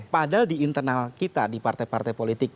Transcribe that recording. padahal di internal kita di partai partai politik